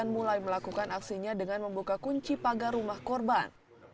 mulai melakukan aksinya dengan membuka kunci pagar rumah korban